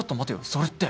それって。